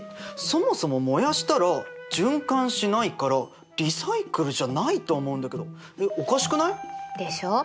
そもそも燃やしたら循環しないからリサイクルじゃないと思うんだけどおかしくない？でしょう？